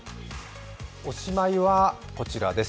おしまいはこちらです。